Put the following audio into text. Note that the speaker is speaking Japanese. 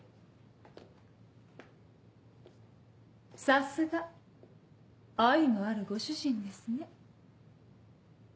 さすが愛のあるご主人ですね。